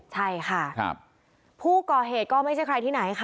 ใช่ค่ะผู้ก่อเหตุก็ไม่ใช่ใครที่ไหนค่ะ